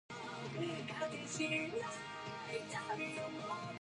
The couple had no children but they loved to entertain.